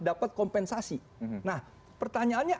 dapat kompensasi nah pertanyaannya